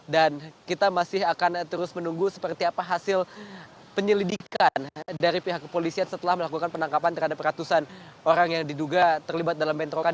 dan kita masih akan terus menunggu seperti apa hasil penyelidikan dari pihak kepolisian setelah melakukan penangkapan terhadap ratusan orang yang diduga terlibat dalam bentrokan